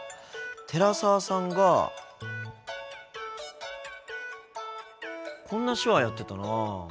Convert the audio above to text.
寺澤さんがこんな手話やってたな。